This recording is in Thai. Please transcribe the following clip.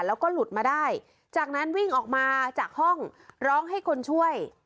แล้วก็หลุดมาได้จากนั้นวิ่งออกมาจากห้องร้องให้คนช่วย